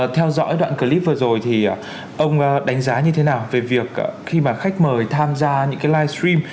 theo dõi đoạn clip vừa rồi thì ông đánh giá như thế nào về việc khi mà khách mời tham gia những cái livestream